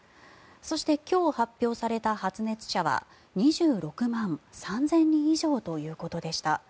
そして、今日発表された発熱者は２６万３０００人以上ということでした。